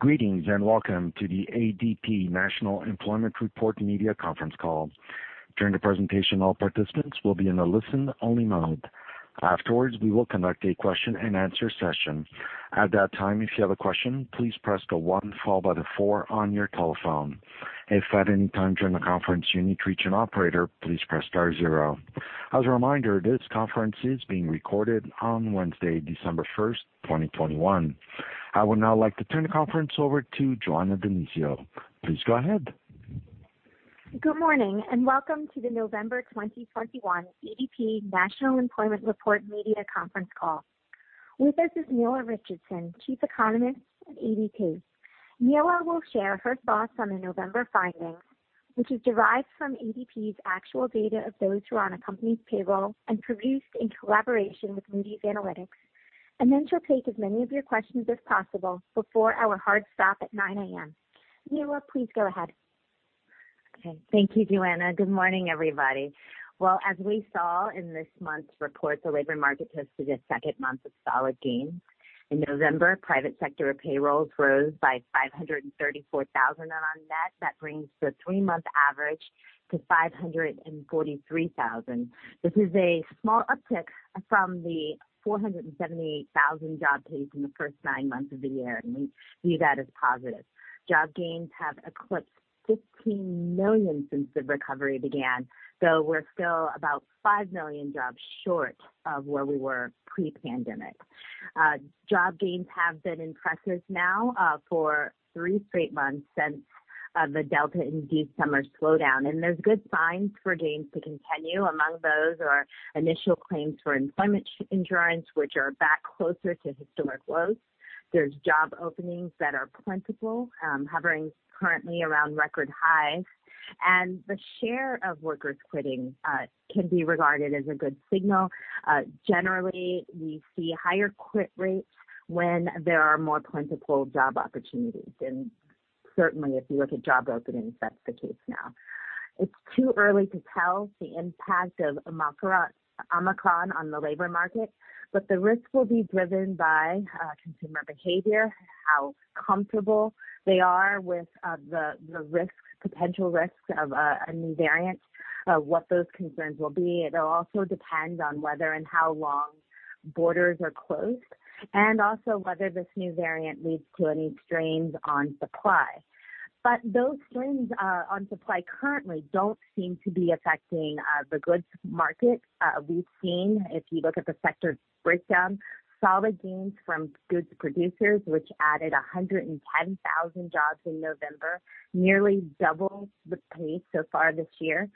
Greetings, and welcome to the ADP National Employment Report Media Conference Call. During the presentation, all participants will be in a listen-only mode. Afterwards, we will conduct a question-and-answer session. At that time, if you have a question, please press the one followed by the four on your telephone. If at any time during the conference you need to reach an operator, please press star 0. As a reminder, this conference is being recorded on Wednesday, December 1, 2021. I would now like to turn the conference over to Joanna DiNizio. Please go ahead. Good morning and welcome to the November 2021 ADP National Employment Report Media Conference Call. With us is Nela Richardson, Chief Economist at ADP. Nela will share her thoughts on the November findings, which is derived from ADP's actual data of those who are on a company's payroll and produced in collaboration with Moody's Analytics. She'll take as many of your questions as possible before our hard stop at 9 A.M. Nela, please go ahead. Okay. Thank you, Joanna. Good morning, everybody. Well, as we saw in this month's report, the labor market posted a second month of solid gains. In November, private sector payrolls rose by 534,000 on our net. That brings the three-month average to 543,000. This is a small uptick from the 478,000 job pace in the first nine months of the year, and we view that as positive. Job gains have eclipsed 15 million since the recovery began, though we're still about 5 million jobs short of where we were pre-pandemic. Job gains have been impressive now for three straight months since the Delta and the summer slowdown. There's good signs for gains to continue. Among those are initial claims for employment insurance, which are back closer to historic lows. There's job openings that are plentiful, hovering currently around record highs. The share of workers quitting can be regarded as a good signal. Generally, we see higher quit rates when there are more plentiful job opportunities. Certainly, if you look at job openings, that's the case now. It's too early to tell the impact of Omicron on the labor market, but the risk will be driven by consumer behavior, how comfortable they are with the risk, potential risks of a new variant, what those concerns will be. It'll also depend on whether and how long borders are closed, and also whether this new variant leads to any strains on supply. Those strains on supply currently don't seem to be affecting the goods market. We've seen, if you look at the sector breakdown, solid gains from goods producers, which added 110,000 jobs in November, nearly double the pace so far this year.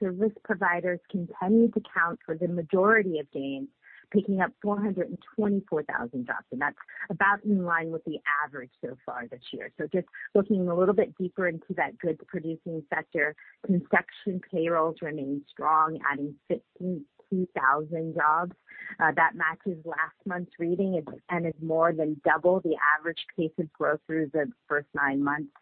Service providers continued to count for the majority of gains, picking up 424,000 jobs. That's about in line with the average so far this year. Just looking a little bit deeper into that goods-producing sector, construction payrolls remained strong, adding 162,000 jobs. That matches last month's reading and is more than double the average pace of growth through the first nine months.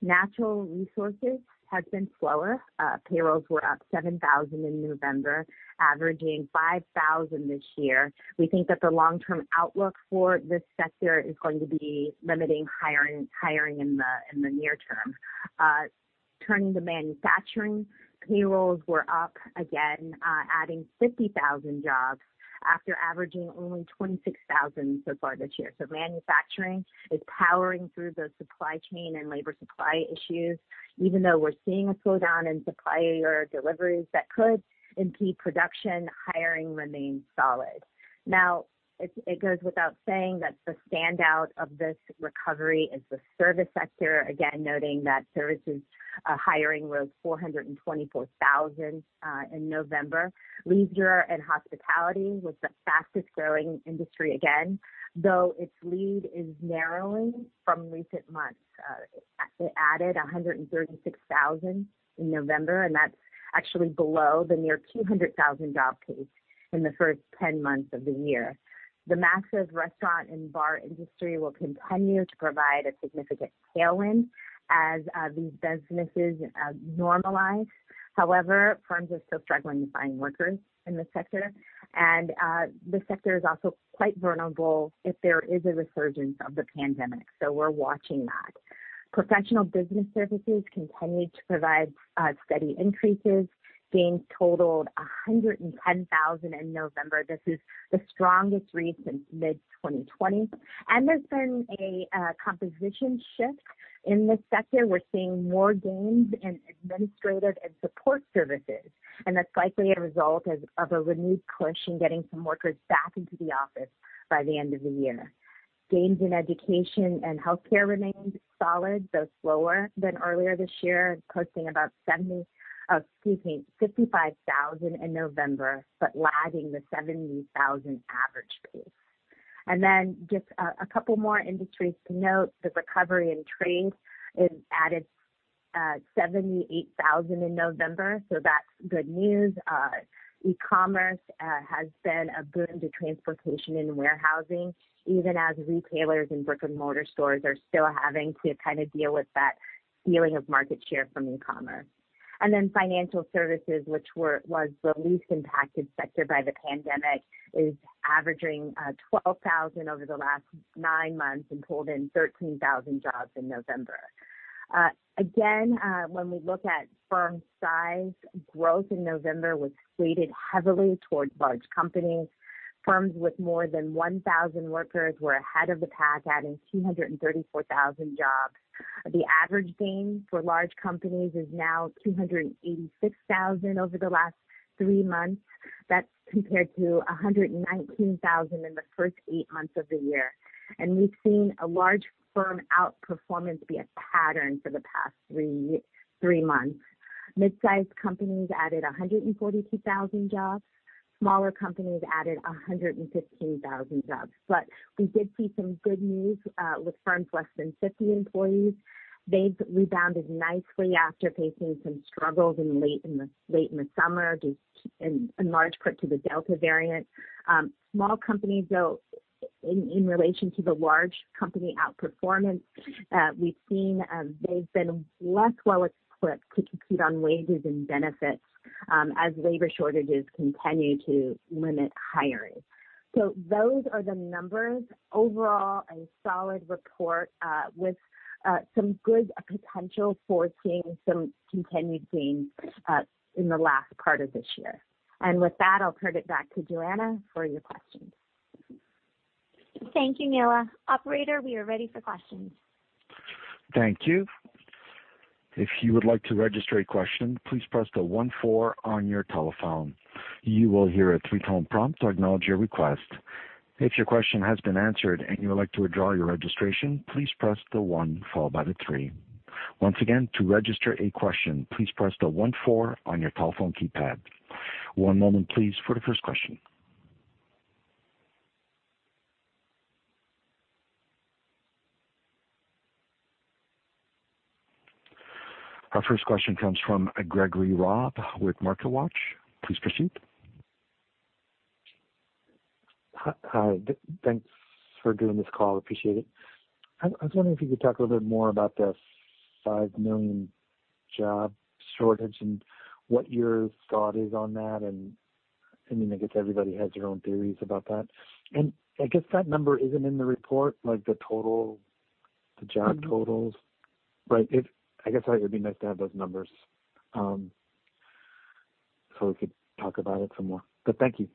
Natural resources has been slower. Payrolls were up 7,000 in November, averaging 5,000 this year. We think that the long-term outlook for this sector is going to be limiting hiring in the near term. Turning to manufacturing, payrolls were up again, adding 50,000 jobs after averaging only 26,000 so far this year. Manufacturing is powering through the supply chain and labor supply issues. Even though we're seeing a slowdown in supplier deliveries that could impede production, hiring remains solid. Now, it goes without saying that the standout of this recovery is the service sector. Again, noting that services hiring was 424,000 in November. Leisure and hospitality was the fastest-growing industry again, though its lead is narrowing from recent months. It added 136,000 in November, and that's actually below the near 200,000 job pace in the first 10 months of the year. The massive restaurant and bar industry will continue to provide a significant tailwind as these businesses normalize. However, firms are still struggling to find workers in this sector. The sector is also quite vulnerable if there is a resurgence of the pandemic. We're watching that. Professional business services continued to provide steady increases. Gains totaled 110,000 in November. This is the strongest read since mid-2020. There's been a composition shift in this sector. We're seeing more gains in administrative and support services, and that's likely a result of a renewed push in getting some workers back into the office by the end of the year. Gains in education and healthcare remained solid, though slower than earlier this year, posting 55,000 in November, but lagging the 70,000 average pace. Just a couple more industries to note. The recovery in trade, it added, 78,000 in November. That's good news. E-commerce has been a boon to transportation and warehousing, even as retailers and brick-and-mortar stores are still having to kind of deal with that stealing of market share from e-commerce. Financial services, which was the least impacted sector by the pandemic, is averaging 12,000 over the last nine months and pulled in 13,000 jobs in November. Again, when we look at firm size, growth in November was weighted heavily towards large companies. Firms with more than 1,000 workers were ahead of the pack, adding 234,000 jobs. The average gain for large companies is now 286,000 over the last three months. That's compared to 119,000 in the first eight months of the year. We've seen a large firm outperformance be a pattern for the past three months. Mid-sized companies added 142,000 jobs. Smaller companies added 115,000 jobs. We did see some good news with firms less than 50 employees. They've rebounded nicely after facing some struggles late in the summer due to, in large part, the Delta variant. Small companies, though, in relation to the large company outperformance, we've seen they've been less well-equipped to compete on wages and benefits as labor shortages continue to limit hiring. Those are the numbers. Overall, a solid report with some good potential for seeing some continued gains in the last part of this year. With that, I'll turn it back to Joanna for your questions. Thank you, Nela. Operator, we are ready for questions. Thank you. If you would like to register a question, please press the one four on your telephone. You will hear a three-tone prompt to acknowledge your request. If your question has been answered and you would like to withdraw your registration, please press the one followed by the three. Once again, to register a question, please press the one four on your telephone keypad. One moment please for the first question. Our first question comes from Gregory Robb with MarketWatch. Please proceed. Hi. Thanks for doing this call. Appreciate it. I was wondering if you could talk a little bit more about the 5 million job shortage and what your thought is on that. I mean, I guess everybody has their own theories about that. I guess that number isn't in the report, like the total, the job totals. I guess it would be nice to have those numbers so we could talk about it some more. Thank you.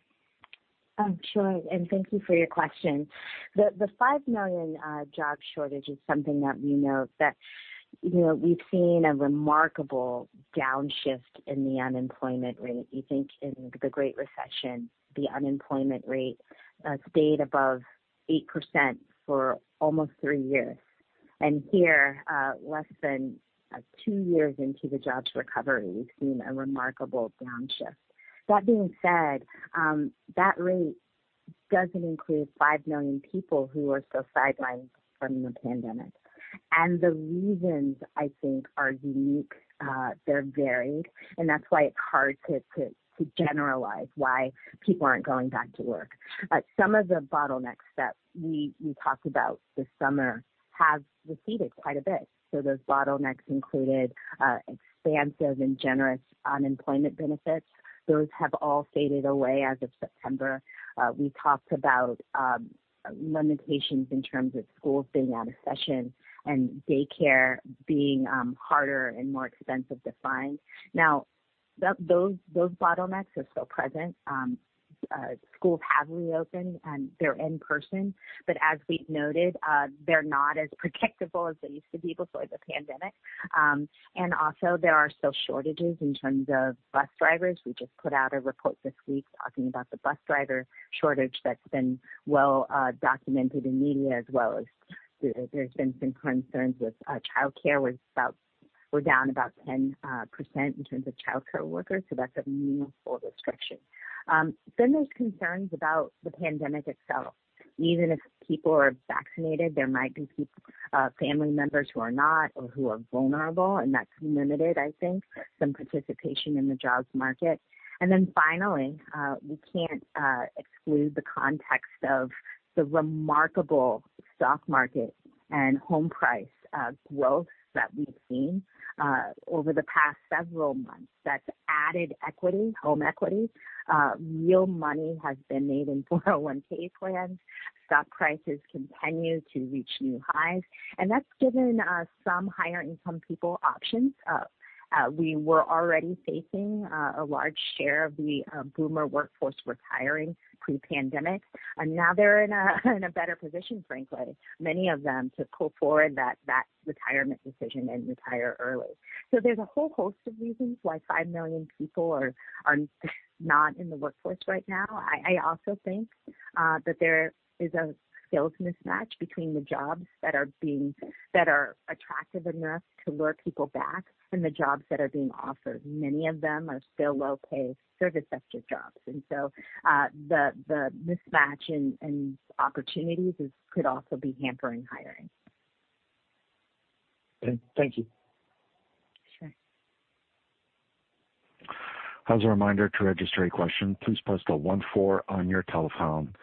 Sure, thank you for your question. The 5 million job shortage is something that we note that, you know, we've seen a remarkable downshift in the unemployment rate. You think in the Great Recession, the unemployment rate stayed above 8% for almost three years. Here, less than two years into the jobs recovery, we've seen a remarkable downshift. That being said, that rate doesn't include 5 million people who are still sidelined from the pandemic. The reasons, I think, are unique. They're varied, and that's why it's hard to generalize why people aren't going back to work. Some of the bottlenecks that we talked about this summer have receded quite a bit. Those bottlenecks included expansive and generous unemployment benefits. Those have all faded away as of September. We talked about limitations in terms of schools being out of session and daycare being harder and more expensive to find. Now, those bottlenecks are still present. Schools have reopened and they're in person, but as we've noted, they're not as predictable as they used to be before the pandemic. And also there are still shortages in terms of bus drivers. We just put out a report this week talking about the bus driver shortage that's been well documented in media as well as there's been some concerns with childcare. We're down about 10% in terms of childcare workers, so that's a meaningful restriction. Then there's concerns about the pandemic itself. Even if people are vaccinated, there might be family members who are not or who are vulnerable, and that's limited, I think, some participation in the jobs market. Then finally, we can't exclude the context of the remarkable stock market and home price growth that we've seen over the past several months. That's added equity, home equity. Real money has been made in 401(k) plans. Stock prices continue to reach new highs. That's given some higher income people options. We were already facing a large share of the boomer workforce retiring pre-pandemic, and now they're in a better position, frankly, many of them, to pull forward that retirement decision and retire early. There's a whole host of reasons why 5 million people are not in the workforce right now. I also think that there is a skills mismatch between the jobs that are attractive enough to lure people back and the jobs that are being offered. Many of them are still low-paid service sector jobs. The mismatch in opportunities could also be hampering hiring. Thank you. Sure. As a reminder, to register a question, please press the one four on your telephone.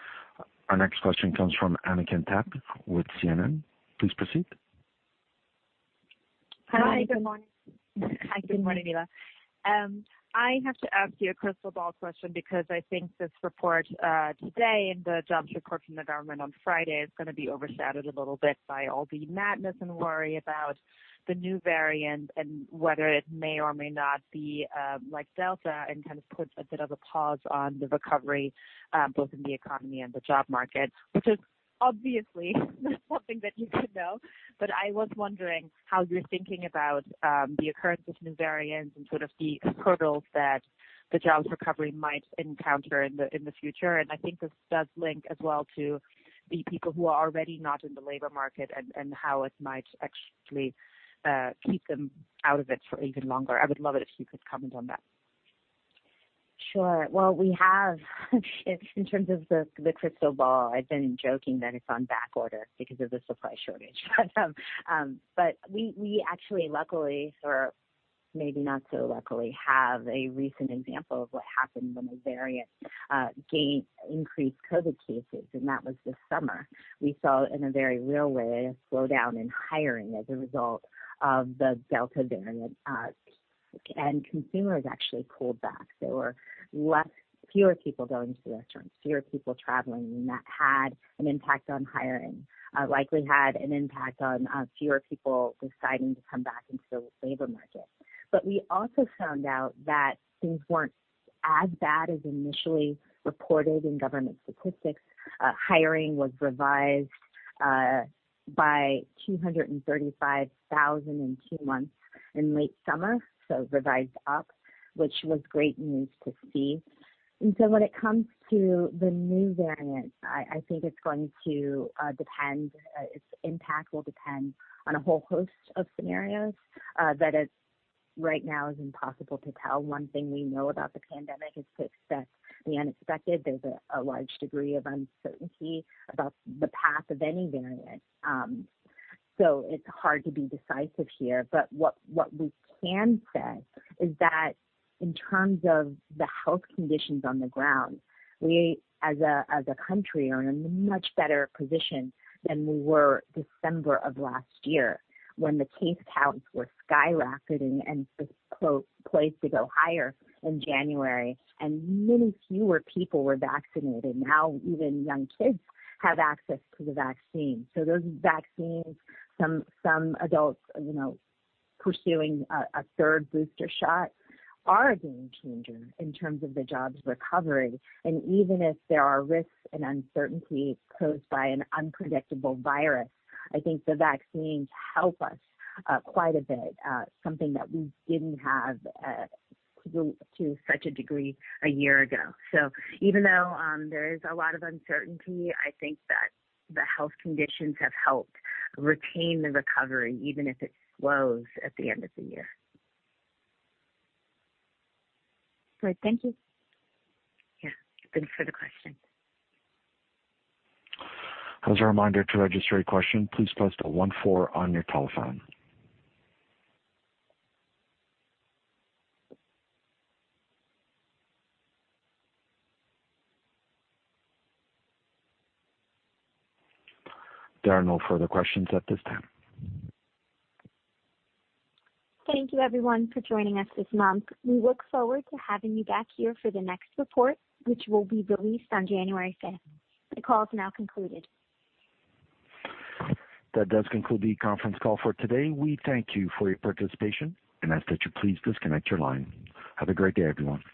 Our next question comes from Annalyn Censky with CNN. Please proceed. Hi. Good morning. Hi. Good morning, Nela. I have to ask you a crystal ball question because I think this report today and the jobs report from the government on Friday is gonna be overshadowed a little bit by all the madness and worry about the new variant and whether it may or may not be like Delta and kind of put a bit of a pause on the recovery both in the economy and the job market, which is obviously something that you know. I was wondering how you're thinking about the occurrence of new variants and sort of the hurdles that the jobs recovery might encounter in the future. I think this does link as well to the people who are already not in the labor market and how it might actually keep them out of it for even longer. I would love it if you could comment on that. Sure. Well, we have in terms of the crystal ball. I've been joking that it's on backorder because of the supply shortage. We actually luckily or maybe not so luckily have a recent example of what happened when the variant gained increased COVID cases, and that was this summer. We saw in a very real way a slowdown in hiring as a result of the Delta variant. Consumers actually pulled back. There were fewer people going to restaurants, fewer people traveling, and that had an impact on hiring, likely had an impact on fewer people deciding to come back into the labor market. We also found out that things weren't as bad as initially reported in government statistics. Hiring was revised by 235,000 in two months in late summer, so revised up, which was great news to see. When it comes to the new variant, I think its impact will depend on a whole host of scenarios that it right now is impossible to tell. One thing we know about the pandemic is to expect the unexpected. There's a large degree of uncertainty about the path of any variant. It's hard to be decisive here. What we can say is that in terms of the health conditions on the ground, we as a country are in a much better position than we were December of last year when the case counts were skyrocketing and poised to go higher in January and many fewer people were vaccinated. Now even young kids have access to the vaccine. those vaccines, some adults, you know, pursuing a third booster shot are a game changer in terms of the jobs recovery. even if there are risks and uncertainty posed by an unpredictable virus, I think the vaccines help us quite a bit, something that we didn't have to such a degree a year ago. Even though there is a lot of uncertainty, I think that the health conditions have helped retain the recovery, even if it slows at the end of the year. Great. Thank you. Yeah. Thanks for the question. As a reminder, to register a question, please press the one four on your telephone. There are no further questions at this time. Thank you everyone for joining us this month. We look forward to having you back here for the next report, which will be released on January fifth. The call is now concluded. That does conclude the conference call for today. We thank you for your participation and ask that you please disconnect your line. Have a great day, everyone.